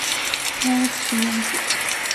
浜松市南区